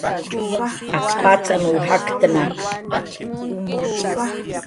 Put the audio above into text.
Ak patzanw jaktna